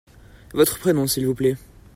Votre prénom, s'il vous plait ?